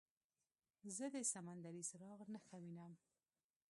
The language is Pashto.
زه د سمندري څراغ نښه وینم.